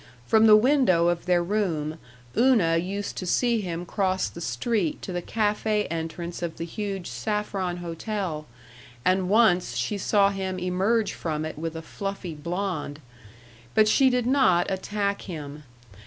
From the window of their room Una used to see him cross the street to the café entrance of the huge Saffron Hotel and once she saw him emerge from it with a fluffy blonde. But she did not attack him.